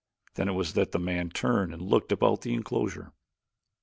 Then it was that the man turned and looked about the enclosure.